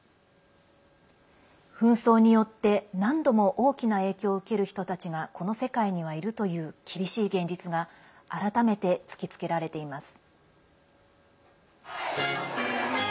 紛争によって、何度も大きな影響を受ける人たちがこの世界にはいるという厳しい現実が改めて突きつけられています。